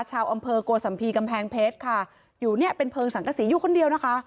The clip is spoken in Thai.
ชาวอำเภอโกสัมภีร์กำแพงเพชรค่ะอยู่เนี่ยเป็นเพลิงสังกษีอยู่คนเดียวนะคะ